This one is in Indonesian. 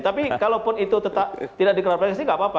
tapi kalau pun itu tidak diklarifikasi tidak apa apa